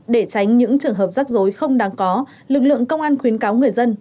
để tránh những trường hợp rắc rối không đáng có lực lượng công an khuyến cáo người dân